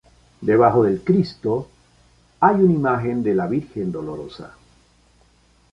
Debajo del Cristo hay una imagen de la Virgen Dolorosa.